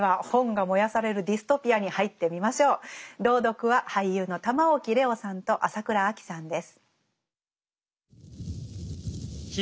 朗読は俳優の玉置玲央さんと朝倉あきさんです。